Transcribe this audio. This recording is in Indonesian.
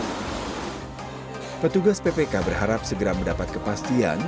petugas ppk berharap segera mendapat kepastian